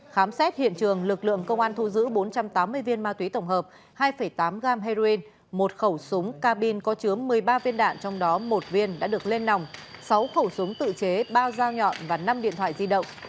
khám xét hiện trường lực lượng công an thu giữ bốn trăm tám mươi viên ma túy tổng hợp hai tám gram heroin một khẩu súng cabin có chứa một mươi ba viên đạn trong đó một viên đã được lên nòng sáu khẩu súng tự chế ba dao nhọn và năm điện thoại di động